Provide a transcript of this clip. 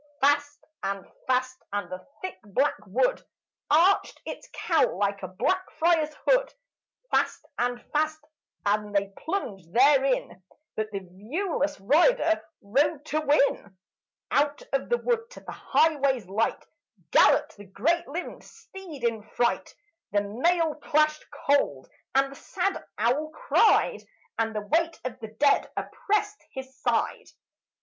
Fast, and fast, and the thick black wood Arched its cowl like a black friar's hood; Fast, and fast, and they plunged therein, But the viewless rider rode to win, Out of the wood to the highway's light Galloped the great limbed steed in fright; The mail clashed cold, and the sad owl cried, And the weight of the dead oppressed his side.